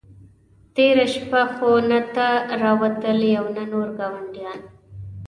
تېره شپه خو نه ته را وتلې او نه نور ګاونډیان.